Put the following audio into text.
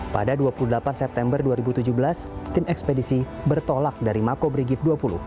pada dua puluh delapan september dua ribu tujuh belas tim ekspedisi bertolak dari mako brigif dua puluh